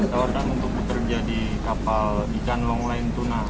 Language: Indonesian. tawarkan untuk bekerja di kapal di canlong lentuna